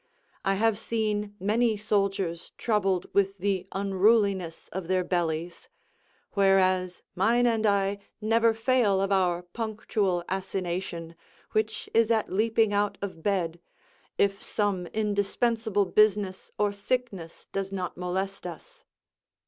I have seen many soldiers troubled with the unruliness of their bellies; whereas mine and I never fail of our punctual assignation, which is at leaping out of bed, if some indispensable business or sickness does not molest us.